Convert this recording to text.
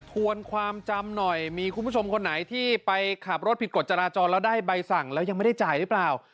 วนความจำหน่อยมีคุณผู้ชมคนไหนที่ไปขับรถผิดกฎจราจรแล้วได้ใบสั่งแล้วยังไม่ได้จ่ายหรือเปล่า